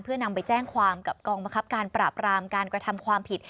เพื่อนำไปแจ้งความกับกองบังคับการปราบรามการกระทำความผิด